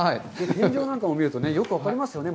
天井なんかを見るとよく分かりますよね。